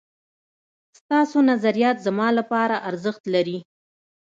ستاسو نظريات زما لپاره ارزښت لري